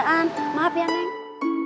neng nanti aku nunggu